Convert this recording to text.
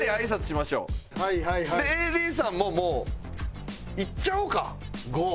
ＡＤさんももういっちゃおうか５。